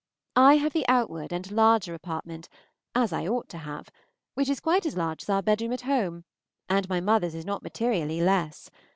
I have the outward and larger apartment, as I ought to have; which is quite as large as our bedroom at home, and my mother's is not materially less.